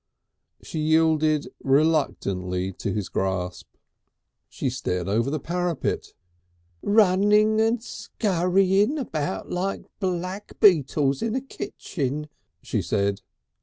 She yielded reluctantly to his grasp. She stared over the parapet. "Runnin' and scurrying about like black beetles in a kitchin," she said.